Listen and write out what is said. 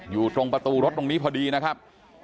อยู่ตรงประตูรถตรงนี้พอดีนะครับ